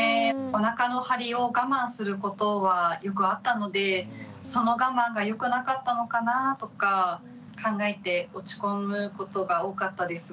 おなかの張りを我慢することはよくあったのでその我慢がよくなかったのかなとか考えて落ち込むことが多かったです。